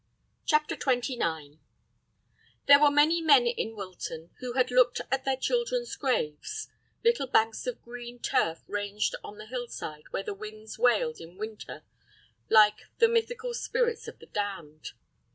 CHAPTER XXIX There were many men in Wilton who had looked at their children's graves, little banks of green turf ranged on the hill side where the winds wailed in winter like the mythical spirits of the damned.